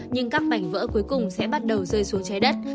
nhưng các mảnh vỡ cuối cùng sẽ bắt đầu rơi xuống trái đất